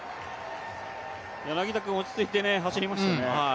柳田君、落ち着いて走りましたね。